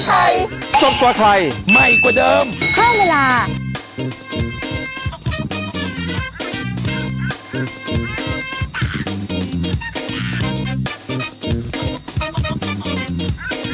โปรดติดตามตอนต่อไป